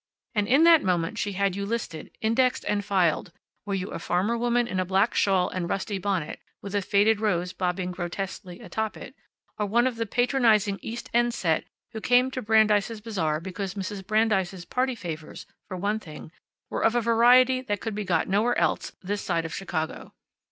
And in that moment she had you listed, indexed, and filed, were you a farmer woman in a black shawl and rusty bonnet with a faded rose bobbing grotesquely atop it, or one of the patronizing East End set who came to Brandeis' Bazaar because Mrs. Brandeis' party favors, for one thing, were of a variety that could be got nowhere else this side of Chicago.